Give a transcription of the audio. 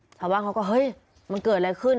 ชาวบ้านเขาก็เฮ้ยมันเกิดอะไรขึ้น